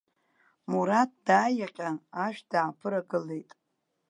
Мураҭ дааиаҟьан, ашә дааԥырагылеит.